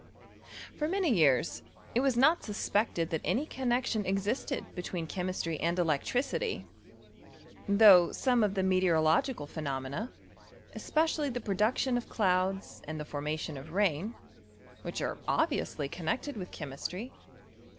For iBany years it was not suspected that any connexion eadsted betweea chemistry and electricity ; though some of the meteorological phenomena, especiaUy the production of elouds and the formation of rain, vhich are obviously connected with chemistry, seem?